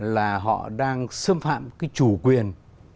là họ đang xâm phạm cái chủ quyền